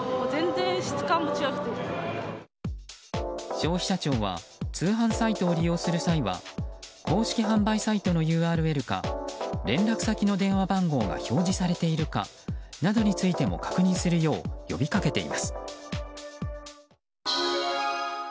消費者庁は通販サイトを利用する際は公式販売サイトのＵＲＬか連絡先の電話番号が表示されているかなどについても確認するよう呼びかけています。